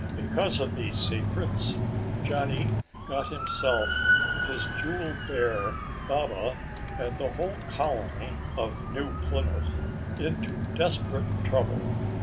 Because of these secrets, Johnny got himself, his jewel bear, Baba, and the whole colony of New Plymouth into desperate trouble.